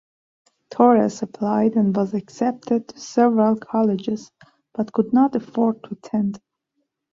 Torres applied and was accepted to several colleges but could not afford to attend.